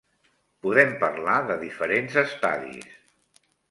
Podem parlar de diferents estadis.